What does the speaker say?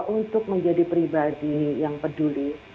untuk menjadi pribadi yang peduli